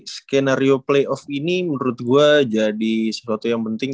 skenario playoff ini menurut gue jadi sesuatu yang penting